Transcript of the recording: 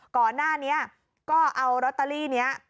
ก่อนหน้านี้ก็เอาลอตเตอรี่นี้